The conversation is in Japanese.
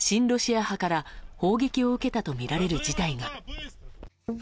ロシア派から砲撃を受けたとみられる事態が。